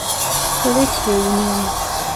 په غیږکې ونیولم